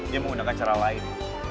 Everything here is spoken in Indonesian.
dia menggunakan cara lain